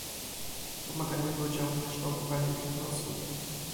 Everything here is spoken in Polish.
pomaganiu ludziom w kształtowaniu ich losu